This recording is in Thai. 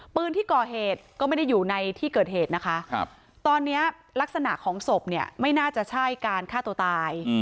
ปืนที่ก่อเหตุก็ไม่ได้อยู่ในที่เกิดเหตุนะคะตอนนี้ลักษณะของศพเนี่ยไม่น่าจะใช่การฆ่าตัวตาย